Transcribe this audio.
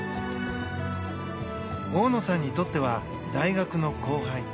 大野さんにとっては大学の後輩。